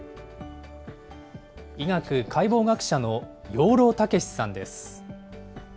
医学・解剖学者の養老孟司さんです。